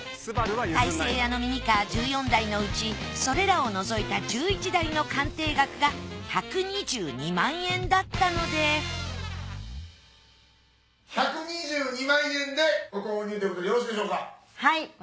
大盛屋のミニカー１４台のうちそれらを除いた１１台の鑑定額が１２２万円だったので１２２万円でご購入ということでよろしいでしょうか？